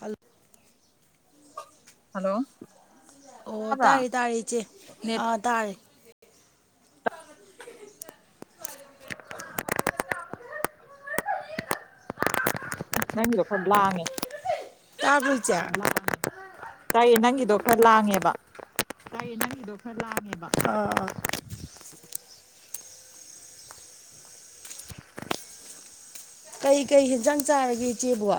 ꯍꯜꯂꯨ ꯍꯜꯂꯣ ꯑꯣ ꯇꯥꯕ꯭ꯔꯥ ꯇꯥꯔꯦ ꯇꯥꯔꯤ ꯆꯦ ꯅꯦꯠ ꯑꯥ ꯇꯥꯔꯦ ꯑ ꯅꯪꯤꯔꯣ ꯈꯠꯂꯉꯦ ꯇꯥꯕꯩꯆꯥ ꯇꯥꯏꯌꯦ ꯅꯪꯒꯤꯗꯣ ꯈꯔ ꯂꯥꯡꯉꯦꯕ ꯂꯥꯏꯅꯒꯤꯗꯣ ꯈꯔ ꯂꯥꯡꯉꯦꯕ ꯑ ꯀꯩ ꯀꯩ ꯍꯦꯟꯖꯥꯡ ꯆꯥꯔꯒꯦ ꯏꯆꯦꯕ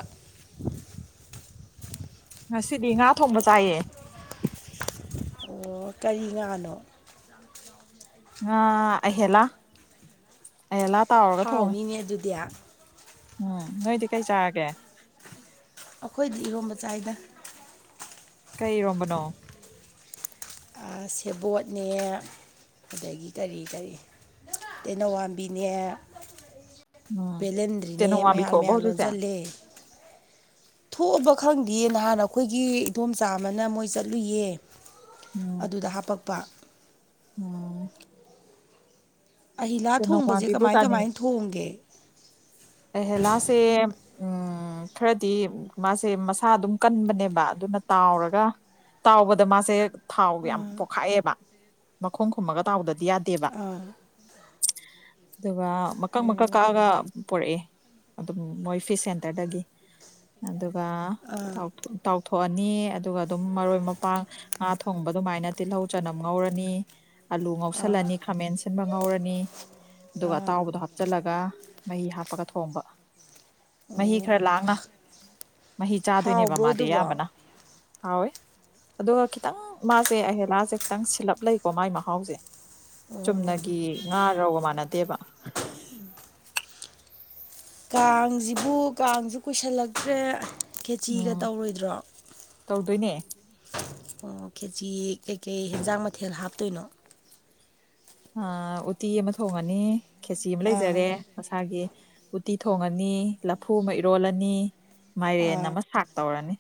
ꯉꯁꯤꯗꯤ ꯉꯥ ꯊꯣꯡꯕ ꯆꯥꯏꯌꯦ ꯑꯣ ꯀꯔꯤ ꯉꯥꯅꯣ ꯑ ꯑꯍꯦꯂ ꯑꯍꯦꯂ ꯍꯥꯎꯅꯤꯅꯦ ꯑꯗꯨꯗꯤ ꯎꯝ ꯅꯣꯏꯗꯤ ꯀꯩ ꯆꯥꯒꯦ ꯑꯩꯈꯣꯏꯗꯤ ꯏꯔꯣꯝꯕ ꯆꯥꯏꯗ ꯀꯩ ꯔꯣꯝꯕꯅꯣ ꯁꯦꯕꯣꯠꯅꯦ ꯑꯗꯒꯤ ꯀꯔꯤ ꯀꯔꯤ ꯇꯩꯅꯧꯋꯥꯝꯕꯤꯅꯦ ꯎꯝ ꯕꯦꯂꯦꯟꯗ꯭ꯔꯤꯅꯦ ꯇꯦꯅꯧ ꯋꯥꯥꯟꯕꯤ ꯃꯌꯥ ꯊꯣꯛꯑꯕꯣ ꯃꯌꯥ ꯍꯧꯖꯤꯛꯁꯦ ꯂꯣꯟꯁꯤꯂꯦ ꯊꯣꯛꯑꯕ ꯈꯪꯗꯦ ꯅꯍꯥꯟ ꯑꯩꯈꯣꯏꯒꯤ ꯏꯗꯣꯝꯆꯥꯃꯅ ꯃꯣꯏ ꯆꯠꯂꯨꯏꯌꯦ ꯑꯗꯨꯗ ꯍꯥꯄꯛꯄ ꯑꯣ ꯑꯍꯤꯂꯥ ꯊꯣꯡꯕꯁꯦ ꯋꯥꯥꯟꯕꯤꯕꯨ ꯀꯃꯥꯏ ꯆꯥꯅꯤꯡꯉꯤ ꯀꯃꯥꯏ ꯊꯣꯡꯒꯦ ꯑꯍꯦꯂꯥꯁꯦ ꯎꯝ ꯈꯔꯗꯤ ꯃꯥꯁꯦ ꯃꯁꯥ ꯑꯗꯨꯝ ꯀꯟꯕꯅꯦꯕ ꯑꯗꯨꯅ ꯇꯥꯎꯔꯒ ꯇꯥꯎꯕꯗ ꯃꯥꯁꯦ ꯊꯥꯎ ꯌꯥꯝ ꯑꯥ ꯄꯣꯛꯈꯛꯑꯦꯕ ꯃꯈꯣꯡ ꯈꯨꯝꯃꯒ ꯇꯥꯎꯗꯗꯤ ꯌꯥꯗꯦꯕ ꯑꯥ ꯑꯗꯨꯒ ꯋꯥ ꯃꯀꯪ ꯃꯀ ꯎꯝ ꯀꯒ ꯄꯣꯔꯛꯑꯦ ꯑꯗꯨꯝ ꯃꯣꯏ ꯐꯤꯁ ꯁꯦꯟꯇꯔꯗꯒꯤ ꯑꯗꯨꯒ ꯑꯥ ꯇꯥꯎꯊꯣꯛꯑꯅꯤ ꯑꯗꯨꯒ ꯑꯗꯨꯝ ꯃꯔꯣꯏ ꯃꯄꯥꯡ ꯉꯥ ꯊꯣꯡꯕ ꯑꯗꯨꯃꯥꯏꯅ ꯇꯤꯜꯍꯧ ꯆꯅꯝ ꯉꯧꯔꯅꯤ ꯑꯂꯨ ꯑꯥ ꯉꯧꯁꯜꯂꯅꯤ ꯈꯥꯃꯦꯟ ꯁꯤꯟꯕ ꯉꯧꯔꯅꯤ ꯑꯗꯨꯒ ꯑꯥ ꯑꯇꯥꯎꯕꯗꯣ ꯍꯥꯞꯆꯤꯜꯂꯒ ꯃꯍꯤ ꯍꯥꯞꯄꯒ ꯊꯣꯡꯕ ꯃꯍꯤ ꯑꯣ ꯈꯔ ꯂꯥꯡꯅ ꯃꯍꯤ ꯆꯥꯗꯣꯏꯅꯦꯕ ꯍꯥꯎꯕ꯭ꯔꯣ ꯃꯥꯗꯤ ꯑꯗꯨꯕꯣ ꯑꯣ ꯑꯌꯥꯝꯕꯅ ꯍꯥꯎꯋꯦ ꯑꯗꯨꯒ ꯈꯤꯇꯪ ꯃꯥꯁꯦ ꯑꯍꯦꯂꯥꯁꯦ ꯈꯤꯇꯪ ꯁꯤꯜꯂꯞ ꯂꯩꯀꯣ ꯃꯥꯥꯏ ꯃꯍꯥꯎꯁꯦ ꯆꯨꯝꯅꯒꯤ ꯉꯥꯔꯥꯎꯒ ꯃꯥꯟꯅꯗꯦꯕ ꯀꯥꯡꯁꯤꯕꯨ ꯀꯥꯡꯁꯤ ꯀꯨꯏꯁꯤꯜꯂꯛꯇ꯭ꯔꯦ ꯈꯦꯆꯤꯒ ꯎꯝ ꯇꯧꯔꯣꯏꯗ꯭ꯔꯣ ꯇꯧꯗꯣꯏꯅꯦ ꯑꯣ ꯀꯦꯖꯤ ꯀꯩꯀꯩ ꯍꯦꯟꯖꯥꯡ ꯃꯊꯦꯜ ꯍꯥꯞꯇꯣꯏꯅꯣ ꯑ ꯎꯇꯤ ꯑꯃ ꯊꯣꯡꯉꯅꯤ ꯈꯦꯆꯤ ꯑꯃ ꯑꯥ ꯂꯩꯖꯔꯦ ꯃꯁꯥꯒꯤ ꯎꯇꯤ ꯊꯣꯡꯉꯅꯤ ꯂꯐꯨ ꯑꯃ ꯏꯔꯣꯜꯂꯅꯤ ꯃꯥꯏꯔꯦꯟ ꯑꯥ ꯑꯃ ꯁꯥꯛ ꯇꯧꯔꯅꯤ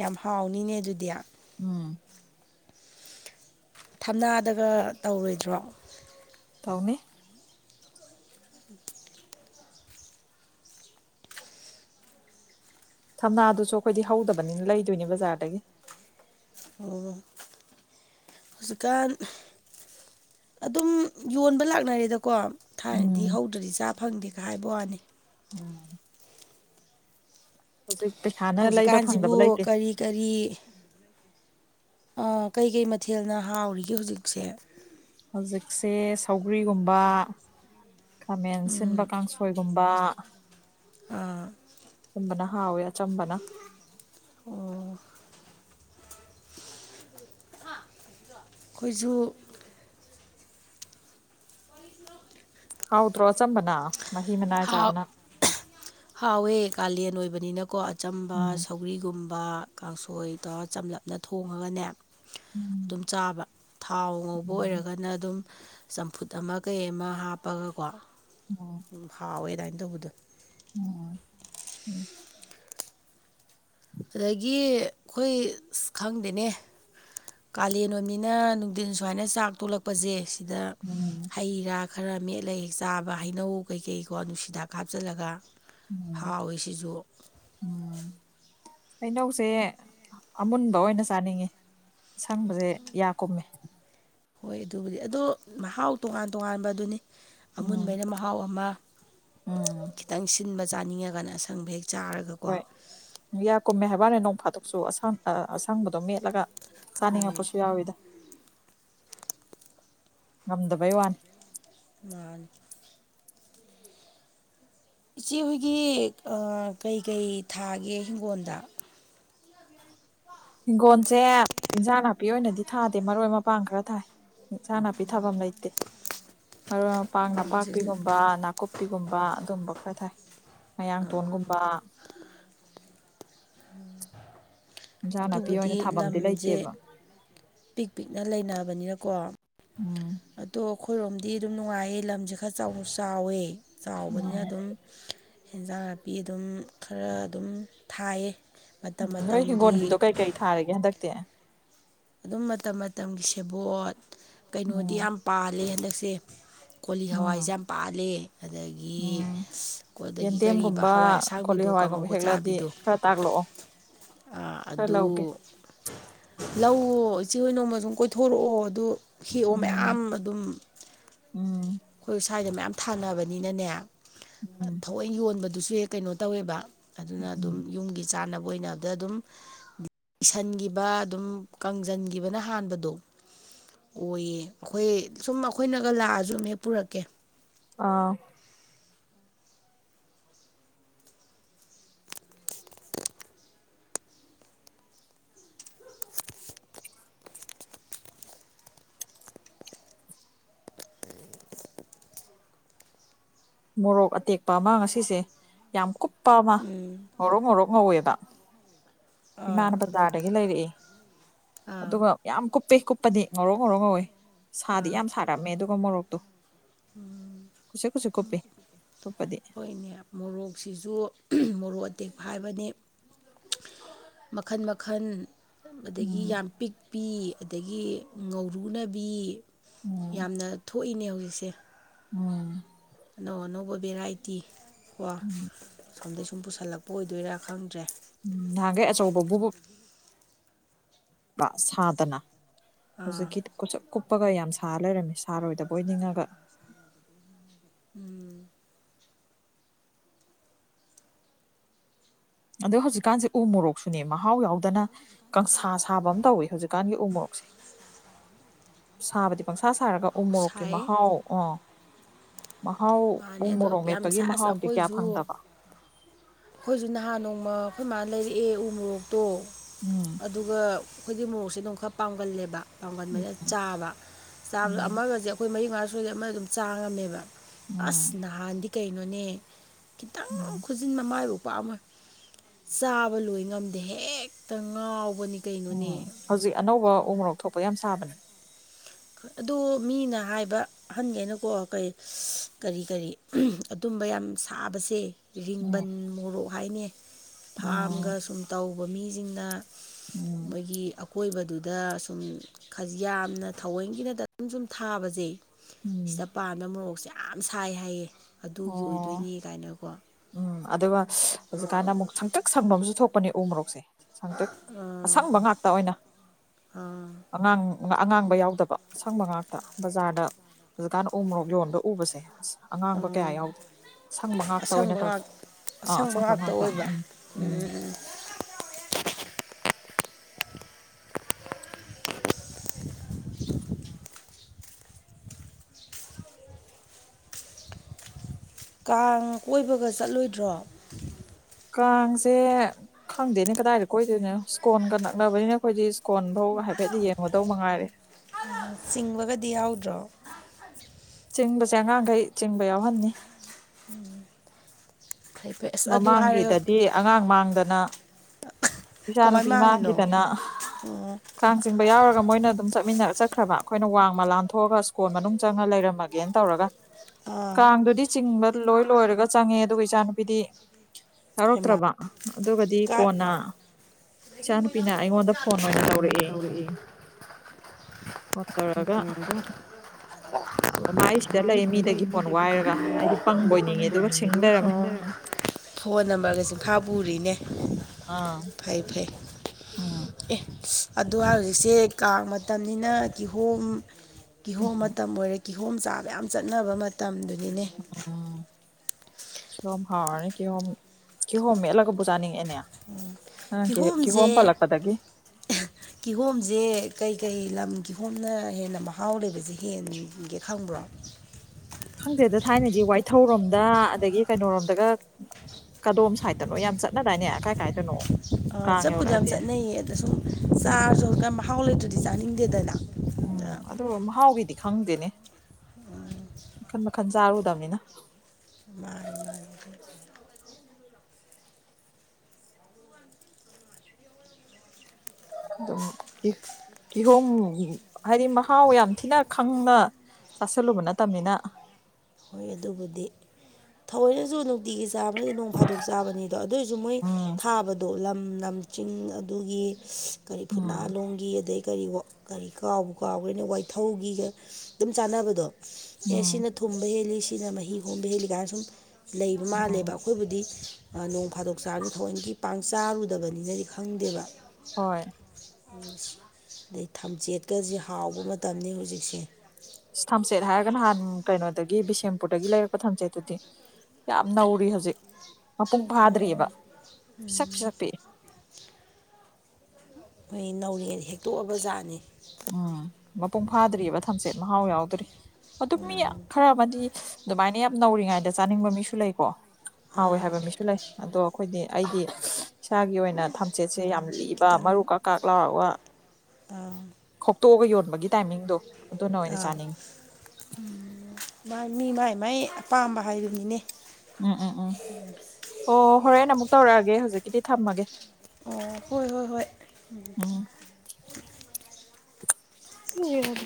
ꯌꯥꯝ ꯍꯥꯎꯅꯤꯅꯦ ꯑꯗꯨꯗꯤ ꯎꯝ ꯊꯝꯅꯥꯗꯒ ꯇꯧꯔꯣꯏꯗ꯭ꯔꯣ ꯇꯧꯅꯤ ꯊꯝꯅꯥꯗꯨꯁꯨ ꯑꯩꯈꯣꯏꯗꯤ ꯍꯧꯗꯕꯅꯤꯅ ꯂꯩꯗꯣꯏꯅꯦ ꯕꯖꯥꯔꯗꯒꯤ ꯑꯣ ꯍꯧꯖꯤꯛꯀꯥꯟ ꯑꯗꯨꯝ ꯌꯣꯟꯕ ꯂꯥꯛꯅꯔꯦꯗꯀꯣ ꯊꯥꯏꯅꯗꯤ ꯎꯝ ꯍꯧꯗ꯭ꯔꯗꯤ ꯆꯥ ꯐꯪꯗꯦꯒ ꯍꯥꯏꯕ ꯋꯥꯅꯤ ꯎꯝ ꯂꯩꯕ ꯍꯧꯖꯤꯛꯀꯥꯟꯁꯤꯕꯨ ꯐꯪꯗꯕ ꯂꯩꯇꯦ ꯀꯔꯤ ꯀꯔꯤ ꯀꯩꯀꯩ ꯃꯊꯦꯜꯅ ꯍꯥꯎꯔꯤꯒꯦ ꯍꯧꯖꯤꯛꯁꯦ ꯍꯧꯖꯤꯛꯁꯦ ꯁꯧꯒ꯭ꯔꯤꯒꯨꯝꯕ ꯈꯥꯃꯦꯟ ꯎꯝ ꯁꯤꯟꯕ ꯀꯥꯡꯁꯣꯏꯒꯨꯝꯕ ꯑꯥ ꯆꯝꯕꯅ ꯍꯥꯎꯋ ꯌꯥ ꯆꯪꯝꯕꯅ ꯑꯣ ꯑꯩꯈꯣꯏꯁꯨꯨ ꯍꯥꯎꯗ꯭ꯔꯣ ꯑꯆꯝꯕꯅ ꯃꯍꯤ ꯃꯅꯥꯏ ꯍꯥꯎ ꯆꯥꯕꯅ ꯍꯥꯎꯋꯦ ꯀꯥꯂꯦꯟ ꯑꯣꯏꯕꯅꯤꯅꯀꯣ ꯑꯆꯝꯕ ꯎꯝ ꯁꯧꯒ꯭ꯔꯤꯒꯨꯝ ꯊꯕ ꯀꯥꯡꯁꯣꯏ ꯇꯧꯔꯒ ꯆꯝꯂꯞꯅ ꯊꯣꯡꯉꯒꯅꯦ ꯎꯝ ꯑꯗꯨꯝ ꯆꯥꯕ ꯊꯥꯎ ꯉꯧꯕ ꯎꯝ ꯑꯣꯏꯔꯒꯅ ꯑꯗꯨꯝ ꯆꯝꯐꯨꯠ ꯑꯃ ꯀꯩ ꯑꯃ ꯍꯥꯞꯄꯒꯀꯣ ꯎꯝ ꯍꯥꯎꯋꯦꯗꯥꯥꯏꯅ ꯇꯧꯕꯗꯣ ꯎꯝ ꯎꯝ ꯑꯗꯒꯤ ꯑꯩꯈꯣꯏ ꯑꯁ ꯈꯪꯗꯦꯅꯦ ꯀꯥꯂꯦꯟ ꯑꯣꯏꯝꯅꯤꯅ ꯅꯨꯡꯊꯜ ꯁꯨꯃꯥꯏꯅ ꯆꯥꯛ ꯊꯣꯂꯛꯄꯁꯦ ꯁꯤꯗ ꯎꯝ ꯍꯩ ꯔꯥꯛ ꯈꯔ ꯃꯦꯠꯂ ꯍꯦꯛ ꯆꯥꯕ ꯍꯩꯅꯧ ꯀꯩꯀꯩꯀꯣ ꯅꯨꯡꯁꯤꯗꯥꯛ ꯍꯥꯥꯞꯆꯜꯂꯒ ꯎꯝ ꯍꯥꯎꯋꯤꯁꯤꯁꯨ ꯎꯝ ꯍꯩꯅꯧꯁꯦ ꯑꯃꯨꯟꯕ ꯑꯣꯏꯅ ꯆꯥꯅꯤꯡꯉꯤ ꯁꯪꯕꯁꯦ ꯌꯥ ꯀꯨꯝꯃꯦ ꯍꯣꯏ ꯑꯗꯨꯕꯨꯗꯤ ꯑꯗꯣ ꯃꯍꯥꯎ ꯇꯣꯉꯥꯟ ꯇꯣꯉꯥꯟꯕ ꯑꯗꯨꯅꯤ ꯎꯝ ꯑꯃꯨꯟꯕꯩꯅ ꯃꯍꯥꯎ ꯑꯃ ꯎꯝ ꯈꯤꯇꯪ ꯁꯤꯟꯕ ꯆꯥꯅꯤꯡꯉꯒꯅ ꯑꯁꯪ ꯚꯦꯛ ꯍꯣꯏ ꯌꯥ ꯀꯨꯝꯃꯦ ꯍꯥꯏꯕꯅꯦ ꯅꯣꯡ ꯐꯥꯠꯇꯣꯛꯁꯨ ꯑꯁꯥꯡ ꯑꯁꯪꯕꯗꯣ ꯃꯦꯠꯂꯒ ꯆꯅꯤꯡꯉ ꯎꯝ ꯄꯨꯁꯨ ꯌꯥꯎꯋꯗ ꯉꯝꯗ ꯩ ꯋꯥꯟ ꯃꯥꯜ ꯏꯆꯦꯍꯣꯏꯒꯤ ꯀꯩꯀꯩ ꯊꯥꯒꯦ ꯍꯤꯡꯒꯣꯜꯗ ꯍꯤꯡꯒꯣꯜꯁꯦ ꯏꯟꯖꯥꯡ ꯅꯥꯄꯤ ꯑꯣꯏꯅꯗꯤ ꯊꯥꯗꯦ ꯃꯔꯣꯏ ꯃꯄꯥꯡ ꯈꯔ ꯊꯥꯏ ꯏꯁꯥ ꯅꯥꯄꯤ ꯊꯐꯝ ꯂꯩꯇꯦ ꯃꯔꯨꯞ ꯃꯄꯥꯛꯥꯡ ꯍꯧꯖꯤꯛ ꯅꯄꯥꯛꯄꯤꯒꯨꯝꯕ ꯅꯥꯀꯨꯞꯄꯤꯒꯨꯝꯕ ꯑꯗꯨꯨꯝꯝꯕ ꯈꯔ ꯊꯥꯏ ꯃꯌꯥꯡꯇꯣꯟꯒꯨꯝꯕ ꯏꯟꯖꯥꯡ ꯅꯥꯄꯤ ꯑꯣꯏꯅ ꯑꯗꯨꯕꯨꯗꯤ ꯊꯥꯐꯝꯗꯤ ꯂꯝꯁꯦ ꯂꯩꯇꯦꯕ ꯄꯤꯛ ꯄꯤꯛꯅ ꯂꯩꯅꯕꯅꯤꯅꯀꯣ ꯎꯝ ꯑꯗꯣ ꯑꯩꯈꯣꯏꯔꯣꯝꯗꯤ ꯑꯗꯨꯝ ꯅꯨꯡꯉꯥꯏꯌꯦ ꯂꯝꯁꯦ ꯈꯔ ꯆꯥꯎꯁꯨ ꯆꯥꯎꯋꯦ ꯆꯥꯎꯕꯅꯤꯅ ꯑꯗꯨꯝ ꯑꯦꯟꯖꯥꯡ ꯅꯥꯄꯤ ꯑꯗꯨꯝ ꯈꯔ ꯑꯗꯨꯝ ꯊꯥꯏꯌꯦ ꯃꯇꯝ ꯎꯝ ꯍꯣꯏ ꯍꯤꯡꯒꯣꯜꯒꯤꯗꯣ ꯃꯇꯝꯒꯤ ꯀꯩ ꯀꯩ ꯊꯥꯔꯒꯦ ꯍꯟꯗꯛꯇꯤ ꯑꯗꯨꯝ ꯃꯇꯝ ꯃꯇꯝꯒꯤ ꯁꯦꯕꯣꯠ ꯀꯩꯅꯣꯗꯤ ꯎꯝ ꯌꯥꯝ ꯄꯥꯜꯂꯦ ꯍꯟꯗꯛꯁꯦ ꯀꯣꯂꯤ ꯎꯝ ꯍꯋꯥꯏꯁꯦ ꯌꯥꯝ ꯄꯥꯜꯂꯦ ꯑꯗꯒꯤ ꯎꯝ ꯀꯗꯒꯤ ꯀꯔꯤꯕ ꯌꯦꯟꯗꯦꯝꯒꯨꯝꯕ ꯍꯋꯥꯏ ꯀꯣꯂꯤ ꯑꯁꯥꯡꯕꯤꯗꯣ ꯀꯥꯡꯉꯧꯕ ꯆꯥꯕꯤꯗꯣ ꯎ ꯑꯗꯨ ꯂꯧꯑꯣ ꯏꯆꯦ ꯍ ꯅꯣꯡꯃ ꯁꯨꯝ ꯀꯣꯏꯊꯣꯔꯛꯑꯣ ꯑꯗꯨ ꯍꯦꯛꯑꯣ ꯎꯝ ꯃꯌꯥꯝ ꯑꯗꯨꯝ ꯎꯝ ꯑꯩꯈꯣꯏ ꯁ꯭ꯋꯥꯏꯗ ꯃꯌꯥꯝ ꯊꯥꯅꯕꯅꯤꯅꯅꯦ ꯎꯝ ꯊꯑꯣꯏ ꯌꯣꯟꯕꯗꯨꯁꯨ ꯍ ꯀꯩꯅꯣ ꯇꯧꯋꯦꯕ ꯑꯗꯨꯅ ꯎꯝ ꯑꯗꯨꯝ ꯌꯨꯝꯒꯤ ꯆꯥꯅꯕ ꯑꯣꯏꯅꯕꯗ ꯑꯗꯨꯝ ꯏꯁꯤꯟꯈꯤꯕ ꯑꯗꯨꯝ ꯀꯪꯁꯤꯟꯈꯤꯕꯅ ꯍꯥꯟꯕꯗꯣ ꯑꯣꯏꯌꯦ ꯑꯩꯈꯣꯏ ꯁꯨꯝ ꯑꯩꯈꯣꯏꯅꯒ ꯂꯥꯛꯑꯁꯨ ꯍꯦꯛ ꯄꯨꯔꯛꯀꯦ ꯑꯥ ꯃꯣꯔꯣꯛ ꯑꯇꯦꯛꯄ ꯑꯃ ꯉꯁꯤꯁꯦ ꯌꯥꯝ ꯀꯨꯞꯄ ꯑꯃ ꯎꯝ ꯉꯧꯔꯣꯛ ꯉꯧꯔꯣꯛ ꯉꯧꯋꯦꯕ ꯑꯥ ꯏꯃꯅ ꯄꯗꯥꯥꯗꯒꯤ ꯂꯩꯔ ꯑꯗꯨꯒ ꯑꯥ ꯌꯥꯝ ꯀꯨꯞꯄꯦ ꯀꯨꯞꯄꯗꯤ ꯉꯧꯔꯣ ꯉꯧꯔꯣ ꯉꯧꯋꯦ ꯁꯥꯗꯤ ꯌꯥꯝ ꯁꯥꯔꯝꯃꯦ ꯑꯗꯨꯒ ꯃꯣꯔꯣꯛꯇꯣ ꯀꯁ ꯀꯁꯁꯨ ꯀꯣꯄꯤ ꯀꯄꯗꯤ ꯍꯣꯏꯅꯦ ꯃꯣꯔꯣꯛꯁꯤꯁꯨ ꯃꯣꯔꯣꯛ ꯑꯇꯦꯛꯄ ꯍꯥꯏꯕꯅꯤ ꯃꯈꯜ ꯃꯈꯜ ꯑꯗꯒꯤ ꯎꯝ ꯌꯥꯝ ꯄꯤꯛꯄꯤ ꯑꯗꯒꯤ ꯉꯧꯔꯨꯅꯕꯤ ꯎꯝ ꯌꯥꯝꯅ ꯊꯣꯛꯏꯅꯦ ꯍꯧꯖꯤꯛꯁꯦ ꯎꯝ ꯑꯅꯧ ꯑꯅꯧꯕ ꯚꯦꯔꯥꯏꯇꯤ ꯀꯣ ꯁꯣꯝꯗꯩ ꯁꯨꯝ ꯄꯨꯁꯜꯂꯛꯄ ꯑꯣꯏꯗꯣꯏꯔꯥ ꯈꯪꯗ꯭ꯔꯦ ꯎꯝ ꯅꯍꯥꯟꯈꯩ ꯑꯆꯧꯕꯕꯨꯕꯨ ꯁꯥꯗꯅ ꯑꯥ ꯍꯧꯖꯤꯛꯀꯤ ꯀꯨꯞꯄꯒ ꯌꯥꯝ ꯁꯥ ꯁꯥ ꯂꯩꯔꯝꯃꯤ ꯁꯥꯔꯣꯏꯗꯕ ꯑꯣꯏ ꯅꯤꯡꯉꯒ ꯎꯝ ꯑꯗꯣ ꯍꯧꯖꯤꯛꯀꯥꯟꯁꯦ ꯎ ꯃꯣꯔꯣꯛꯁꯨꯅꯦ ꯃꯍꯥꯎ ꯌꯥꯎꯗꯅ ꯀꯥꯡꯪꯁꯥ ꯁꯥꯕ ꯑꯃ ꯇꯧꯋꯦ ꯍꯧꯖꯤꯛꯀꯥꯟꯒꯤ ꯎ ꯃꯣꯔꯣꯛꯁꯦ ꯁꯥꯕꯗꯤ ꯄꯪꯁꯥ ꯁꯥꯔꯒ ꯎ ꯑꯧ ꯃꯣꯔꯣꯛꯀꯤ ꯁꯥꯏ ꯃꯍꯥꯎ ꯑꯥ ꯃꯍꯥꯎ ꯎ ꯃꯥꯅꯦ ꯑꯗꯣ ꯃꯣꯔꯣꯛ ꯌꯥꯝ ꯃꯦꯠꯄꯒꯤ ꯁꯁ ꯃꯍꯥꯎꯗꯤ ꯀꯌꯥ ꯑꯩꯈꯣꯏꯁꯨ ꯐꯪꯗꯕ ꯑꯩꯈꯣꯏꯁꯨ ꯅꯍꯥꯟ ꯅꯣꯡꯃ ꯑꯩꯈꯣꯏ ꯃꯥꯅ ꯂꯩꯔꯛꯑꯦ ꯎ ꯃꯣꯔꯣꯛꯇꯣ ꯎꯝ ꯑꯗꯨꯒ ꯑꯩꯈꯣꯏꯗꯤ ꯃꯣꯔꯣꯛꯁꯦ ꯑꯗꯨꯝ ꯈꯔ ꯄꯥꯝꯒꯜꯂꯦꯕ ꯄꯥꯡꯒꯟꯕꯅ ꯆꯥꯕ ꯆꯥꯕꯗ ꯎꯝ ꯑꯃꯒꯁꯦ ꯑꯩꯈꯣꯏ ꯃꯔꯤ ꯃꯉꯥ ꯁꯨꯔꯦ ꯑꯃ ꯑꯗꯨꯝ ꯆꯥ ꯉꯝꯃꯦꯕ ꯑꯁ ꯎꯝ ꯅꯍꯥꯟꯗꯤ ꯀꯩꯅꯣꯅꯦ ꯈꯤꯇꯪ ꯎꯝ ꯈꯨꯖꯤꯟ ꯃꯥꯏꯕ ꯄ ꯑꯃ ꯆꯥꯕ ꯂꯣꯏ ꯉꯝꯗꯦ ꯍꯦꯛꯇ ꯉꯥꯎꯕꯅꯤ ꯎꯝ ꯀꯩꯅꯣꯅꯦ ꯍꯧꯖꯤꯛ ꯑꯅꯧꯕ ꯎ ꯃꯣꯔꯣꯛ ꯊꯣꯛꯄ ꯌꯥꯝ ꯁꯥꯕꯅꯦ ꯑꯗꯣ ꯃꯤꯅ ꯍꯥꯏꯕ ꯍꯟꯒꯦꯅꯀꯣ ꯀꯔꯤ ꯀꯔꯤ ꯑꯗꯨꯝ ꯁꯨꯝꯕ ꯌꯥꯝ ꯁꯥꯕꯁꯦ ꯎꯝ ꯔꯤꯡꯕꯟ ꯃꯣꯔꯣꯛ ꯍꯥꯏꯅꯦ ꯎꯝ ꯐꯥꯝꯒ ꯁꯨꯝ ꯇꯧꯕ ꯃꯤꯁꯤꯡꯅ ꯎꯝ ꯃꯣꯏꯒꯤ ꯑꯀꯣꯏꯕꯗꯨꯗ ꯁꯨꯝ ꯈ ꯌꯥꯝꯅ ꯊꯋꯦꯡꯒꯤꯅꯗ ꯑꯗꯨꯝ ꯁꯨꯝ ꯊꯥꯕꯁꯦ ꯎꯝ ꯁꯤꯗ ꯄꯥꯟꯕ ꯃꯣꯔꯣꯛꯁꯦ ꯌꯥꯝ ꯁꯥꯏ ꯍꯥꯏꯌꯦ ꯑꯗꯨꯒꯤ ꯑꯣ ꯑꯣꯏꯗꯣꯏꯅꯤ ꯀꯥꯏꯅꯀꯣ ꯎꯝ ꯑꯗꯨꯒ ꯍꯧꯖꯤꯛꯀꯥꯟꯗ ꯑꯃꯨꯛ ꯁꯪꯇꯛ ꯁꯪꯕ ꯑꯃꯁꯨ ꯊꯣꯛ ꯀꯄꯅꯤ ꯎ ꯃꯔꯣꯛꯁꯦ ꯁꯪꯇꯛ ꯑꯥ ꯑꯁꯪꯕ ꯉꯥꯛꯇ ꯑꯣꯏꯅ ꯑꯥ ꯑꯉꯥꯡ ꯑꯉꯥꯡꯕ ꯌꯥꯎꯗꯕ ꯑꯁꯪꯕ ꯉꯥꯛꯇ ꯕꯖꯥꯔꯗ ꯍꯧꯖꯤꯛꯀꯥꯟꯅ ꯎ ꯃꯣꯔꯣꯛ ꯌꯣꯟꯕ ꯎꯕꯁꯦ ꯑꯁ ꯑꯉꯥꯡꯕ ꯀꯌꯥ ꯑꯥ ꯌꯥꯎꯗꯦ ꯑ ꯁꯪꯕ ꯉꯥꯛꯇ ꯑꯣꯏꯅ ꯑꯁꯪꯕ ꯇꯧꯋ ꯉꯥꯛ ꯑꯥ ꯑꯁꯪꯕ ꯉꯥꯛꯇ ꯎꯝ ꯎꯝ ꯀꯥꯡ ꯀꯣꯏꯕꯒ ꯆꯠꯂꯣꯏꯗ꯭ꯔꯣ ꯀꯥꯡꯁꯦ ꯈꯪꯗꯦꯅꯦ ꯀꯗꯥꯏꯗ ꯀꯣꯏꯗꯣꯏꯅꯣ ꯁ꯭ꯀꯣꯟꯒ ꯅꯛꯅꯕꯅꯤꯅ ꯑꯩꯈꯣꯏꯗꯤ ꯁ꯭ꯀꯣꯟ ꯐꯧ ꯍꯥꯏꯐꯦꯠ ꯌꯦꯡꯉꯨꯗꯧ ꯃꯉꯥꯏꯔꯦ ꯆꯤꯡꯕꯒꯗꯤ ꯌꯥꯎꯗ꯭ꯔꯣ ꯆꯤꯡꯕꯁꯦ ꯑꯉꯥꯡꯈꯩ ꯆꯤꯡꯕ ꯌꯥꯎꯍꯟꯅꯤ ꯐꯩ ꯐꯩ ꯑꯁ ꯑꯗꯨ ꯍꯥꯏꯔꯒ ꯃꯃꯥꯡꯒꯤꯗꯗꯤ ꯑꯉꯥꯡ ꯃꯥꯡꯗꯅ ꯏꯆꯥ ꯀꯃꯥꯏ ꯅꯨꯨꯄꯤ ꯃꯥꯡꯉꯤꯅꯣ ꯃꯥꯥꯡꯒꯤꯗꯅ ꯎꯝ ꯀꯥꯡ ꯆꯤꯡꯕ ꯌꯥꯎꯔꯒ ꯃꯣꯏꯅ ꯑꯗꯨꯝ ꯆꯠꯃꯤꯟꯅ ꯆꯠꯈ꯭ꯔꯕ ꯑꯩꯈꯣꯏꯅ ꯋꯥꯡꯃ ꯂꯥꯟꯊꯣꯛꯑꯒ ꯁ꯭ꯀꯣꯜ ꯃꯅꯨꯡ ꯆꯪꯉ ꯂꯩꯔꯝꯃꯒꯦꯅ ꯇꯧꯔꯒ ꯑꯥ ꯀꯥꯡꯗꯨꯗꯤ ꯆꯤꯡꯕ ꯂꯣꯏ ꯂꯣꯏꯔꯒ ꯆꯪꯉꯦ ꯑꯗꯨꯒ ꯏꯆꯥꯅꯨꯄꯤꯗꯤ ꯍꯩꯃꯥ ꯌꯥꯎꯔꯛꯇ꯭ꯔꯕ ꯑꯗꯨꯒꯗꯤ ꯀꯥꯏ ꯀꯣꯟꯅ ꯏꯆꯥ ꯅꯨꯨꯄꯤꯅ ꯑꯩꯉꯣꯟꯗ ꯐꯣꯟ ꯑꯣꯏꯅ ꯇꯧꯔꯛꯑꯦ ꯇꯧꯔꯒꯏ ꯔꯨꯔ ꯑ ꯃꯥꯥꯏꯁ ꯃꯥꯏꯁꯤꯗ ꯂꯩ ꯃꯤꯗꯒꯤ ꯐꯪꯉ ꯄꯪꯕ ꯑꯗꯨ ꯑꯣꯏꯅꯤꯡꯉꯦ ꯐꯪꯗꯣꯏꯅꯤꯡꯉꯦ ꯁꯤꯡ ꯑꯗꯨꯒ ꯁꯤ ꯂꯩꯔꯝꯃꯦ ꯐꯣꯟ ꯅꯝꯕꯔꯒꯁ ꯐꯥ ꯄꯨꯔꯤꯅꯦ ꯑꯥ ꯐꯩ ꯐꯩ ꯎꯝ ꯑꯦ ꯑꯗꯣ ꯍꯧꯖꯤꯛꯁꯦ ꯀꯥꯡ ꯃꯇꯝꯅꯤꯅ ꯀꯤꯍꯣꯝ ꯀꯤꯍꯣꯝ ꯎꯝ ꯃꯇꯝ ꯑꯣꯏꯔꯦ ꯌꯊꯣ ꯆꯥꯕ ꯌꯥꯝ ꯆꯠꯅꯕ ꯃꯇꯝꯗꯨꯅꯤꯅꯦ ꯎꯝ ꯀꯤꯍꯣꯝ ꯍꯥꯎꯔꯅꯤ ꯀꯤꯍꯣꯝ ꯀꯤꯍꯣꯝ ꯃꯦꯠꯂꯒꯕꯨ ꯆꯥꯅꯤꯡꯉꯛꯑꯦꯅꯦ ꯅꯪ ꯀꯤꯍꯣꯝꯁꯦ ꯀꯤꯍꯣꯝ ꯄꯜꯂꯛꯄꯗꯒꯤ ꯀꯤꯍꯣꯝꯁꯦ ꯀꯩ ꯀꯩ ꯂꯝꯒꯤ ꯍꯣꯝꯅ ꯍꯦꯟꯅ ꯃꯍꯥꯎ ꯂꯩꯕꯁꯦ ꯍꯦꯟꯒꯦ ꯈꯪꯕ꯭ꯔꯣ ꯈꯪꯗꯦꯗ ꯊꯥꯏꯅꯗꯤ ꯋꯥꯏꯊꯧꯔꯣꯝꯅꯤ ꯗ ꯑꯗꯒꯤ ꯀꯩꯅꯣꯔꯣꯝꯗꯒ ꯀꯥꯗꯣꯝ ꯁꯥꯏꯗꯠꯇꯅꯣ ꯌꯥꯝ ꯆꯠꯅꯗꯥꯏꯅꯦ ꯀꯥꯏ ꯀꯥꯏꯗꯅꯣ ꯑ ꯀꯥꯡ ꯆꯠꯄꯨꯗꯤ ꯌꯥꯝ ꯌꯧꯔꯛꯑꯗꯤ ꯆꯠꯅꯩꯌꯦ ꯑꯗ ꯁꯨꯝ ꯎꯝ ꯆꯥꯔꯁꯨ ꯍꯧꯖꯤꯛꯀꯥꯟ ꯃꯍꯥꯎ ꯂꯩꯇ꯭ꯔꯗꯤ ꯆꯥꯅꯤꯡꯗꯦꯗꯅ ꯑꯗ ꯎꯝ ꯑꯗꯣ ꯃꯍꯥꯎꯒꯤꯗꯤ ꯈꯪꯗꯦꯅꯦ ꯃꯈꯟ ꯃꯈꯟ ꯆꯥꯔꯨꯗꯃꯤꯅ꯫ ꯃꯥꯥꯅꯤ ꯃꯥꯥꯅꯤ꯫ ꯑꯗꯨꯝ ꯀꯤ ꯀꯤꯍꯣꯝ ꯍꯥꯏꯗꯤ ꯃꯍꯥꯎ ꯌꯥꯝ ꯊꯤꯅ ꯈꯪꯅ ꯆꯥꯁꯤꯜꯂꯨꯕ ꯅꯠꯇꯝꯃꯤꯅ꯫ ꯍꯣꯏ ꯑꯗꯨꯕꯨꯗꯤ ꯊꯑꯣꯏꯅꯖꯨ ꯑꯗꯨꯝ ꯅꯨꯡꯇꯤꯒꯤ ꯆꯥꯕ ꯅꯠꯇꯦ ꯅꯣꯡ ꯐꯥꯗꯣꯛ ꯆꯥꯕꯅꯤꯗꯣ ꯑꯗꯨꯑꯣꯏꯖꯨ ꯃꯣꯏ ꯎꯝ ꯊꯥꯕꯗꯣ ꯂꯝ ꯂꯝꯆꯤꯡ ꯑꯗꯨꯒꯤ ꯀꯔꯤ ꯎꯝ ꯐꯨꯅꯥꯟꯂꯣꯝꯒꯤ ꯑꯗꯩ ꯀꯔꯤꯑꯣ ꯀꯔꯤ ꯀꯥꯎꯕꯨ ꯀꯥꯎꯔꯦꯅꯦ ꯋꯥꯏꯊꯧꯒꯤꯒ ꯑꯗꯨꯝ ꯆꯥꯟꯅꯕꯗꯣ꯫ ꯁꯦ ꯎꯝ ꯁꯤꯅ ꯊꯨꯝꯕ ꯍꯦꯜꯂꯤ ꯁꯤꯅ ꯃꯍꯤ ꯍꯣꯡꯕ ꯍꯦꯜꯂꯤ ꯒꯥꯏꯅ ꯁꯨꯝ ꯂꯩꯕ ꯎꯝ ꯃꯥꯜꯂꯦꯕ ꯑꯩꯈꯣꯏꯕꯨꯗꯤ ꯑ ꯅꯣꯡ ꯐꯥꯗꯣꯛ ꯆꯥꯕꯅꯤ ꯊꯑꯣꯏꯒꯤ ꯄꯥꯡ ꯆꯥꯔꯨꯗꯕꯅꯤꯅꯗꯤ ꯈꯪꯗꯦꯕ꯫ ꯍꯣꯏ꯫ ꯎꯝ ꯑꯗꯩ ꯊꯝꯆꯦꯠꯀꯖꯦ ꯍꯥꯎꯕ ꯃꯇꯝꯅꯤ ꯍꯧꯖꯤꯛꯁꯦ꯫ ꯊꯝꯆꯦꯠ ꯍꯥꯏꯔꯒ ꯅꯍꯥꯟ ꯀꯩꯅꯣꯗꯒꯤ ꯕꯤꯁꯦꯝꯄꯨꯔꯗꯒꯤ ꯂꯩꯔꯛꯄ ꯊꯝꯆꯦꯠꯇꯨꯗꯤ ꯌꯥꯝ ꯅꯧꯔꯤ ꯍꯧꯖꯤꯛ ꯃꯄꯨꯡ ꯐꯥꯗ꯭ꯔꯤꯑꯕ ꯄꯤꯁꯛ ꯄꯤꯁꯛ ꯄꯤꯛꯏ꯫ ꯑꯩꯈꯣꯏ ꯅꯧꯔꯤꯉꯩ ꯍꯦꯛꯇꯣꯛꯑꯕ ꯖꯥꯅꯤ꯫ ꯎꯝ ꯃꯄꯨꯡ ꯐꯥꯗ꯭ꯔꯤꯑꯕ ꯊꯝꯆꯦꯠ ꯃꯍꯥꯎ ꯌꯥꯎꯗ꯭ꯔꯤ꯫ ꯑꯗꯨ ꯃꯤ ꯈꯔ ꯑꯃꯗꯤ ꯑꯗꯨꯃꯥꯏꯅ ꯌꯥꯝ ꯅꯧꯔꯤꯉꯩꯗ ꯆꯥꯅꯤꯡꯕ ꯃꯤꯁꯨ ꯂꯩꯀꯣ꯫ ꯍꯥꯎꯋꯦ ꯍꯥꯏꯕ ꯃꯤꯁꯨ ꯂꯩ ꯑꯗꯣ ꯑꯩꯈꯣꯏꯗꯤ ꯑꯩꯗꯤ ꯏꯁꯥꯒꯤ ꯑꯣꯏꯅ ꯊꯝꯆꯦꯠꯁꯦ ꯌꯥꯝ ꯂꯤꯕ ꯈꯤꯇꯪ ꯃꯔꯨ ꯀꯥꯛ ꯀꯥꯛ ꯂꯥꯎꯕ ꯇꯣꯛꯑꯒ ꯌꯣꯟꯕꯒꯤ ꯇꯥꯏꯃꯤꯡꯗꯣ꯫ ꯑꯣꯏꯅ ꯑꯥ ꯆꯥꯅꯤꯡꯉꯤ ꯎꯝ ꯃꯥꯥꯏ ꯃꯤ ꯃꯥꯏ ꯃꯥꯏ ꯑꯄꯥꯝꯕ ꯍꯥꯏꯗꯨꯅꯤꯅꯦ꯫ ꯎꯝ ꯎꯝ ꯎꯝ ꯑꯣ ꯍꯣꯔꯦꯟ ꯑꯃꯨꯛ ꯇꯧꯔꯛꯑꯒꯦ ꯍꯧꯖꯛꯀꯤꯗꯤ ꯊꯝꯃꯒꯦ꯫ ꯑꯣ ꯍꯣꯏ ꯍꯣꯏ ꯍꯣꯏ ꯎꯝ꯫ [unintelligible]